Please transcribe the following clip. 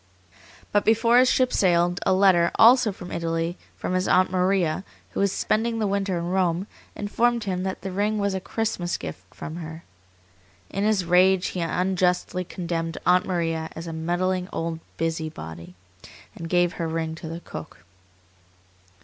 But before his ship sailed, a letter, also from Italy, from his aunt Maria, who was spending the winter in Rome, informed him that the ring was a Christmas gift from her. In his rage he unjustly condemned Aunt Maria as a meddling old busybody, and gave her ring to the cook.